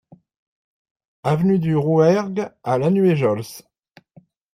Avenue du Rouergue à Lanuéjouls